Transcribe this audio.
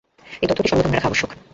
এই তথ্যটি সর্বদা মনে রাখা আবশ্যক।